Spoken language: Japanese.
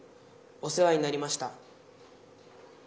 お世話になりました」。